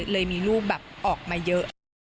เลยมีรูปแบบออกมาเยอะ